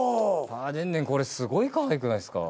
パーデンネンこれすごいかわいくないですか？